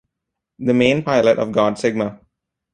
The main pilot of God Sigma.